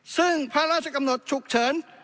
ซึ่งพระราชกำหนดฉุกเฉิน